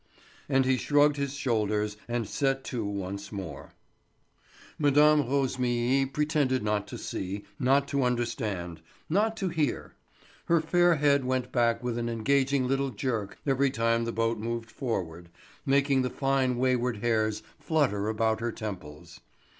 And he shrugged his shoulders and set to once more. Mme. Rosémilly pretended not to see, not to understand, not to hear. Her fair head went back with an engaging little jerk every time the boat moved forward, making the fine wayward hairs flutter about her temples.